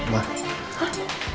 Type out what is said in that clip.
pinot bahkan aja